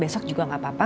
besok juga gak apa apa